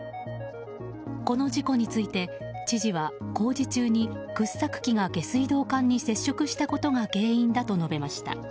この事故について、知事は工事中に掘削機が掘削機が下水道管に接触したことが原因だと述べました。